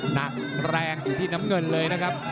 หนักแรงอยู่ที่น้ำเงินเลยนะครับ